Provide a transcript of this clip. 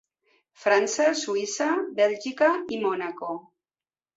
França, Suïssa, Bèlgica i Mònaco.